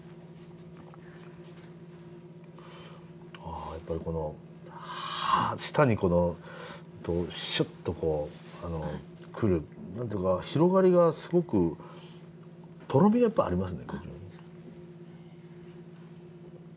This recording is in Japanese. あやっぱり舌にこのシュッとこうくる何というか広がりがすごくとろみやっぱありますね。